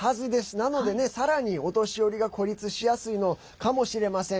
なのでね、さらにお年寄りが孤立しやすいのかもしれません。